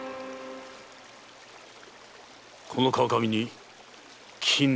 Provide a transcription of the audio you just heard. この川上に金の鉱脈が？